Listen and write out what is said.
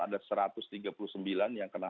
ada satu ratus tiga puluh sembilan yang kena